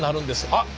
あっ！